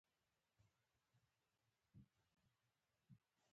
ازادي راډیو د عدالت په اړه د خلکو پوهاوی زیات کړی.